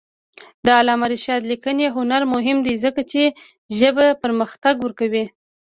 د علامه رشاد لیکنی هنر مهم دی ځکه چې ژبه پرمختګ ورکوي.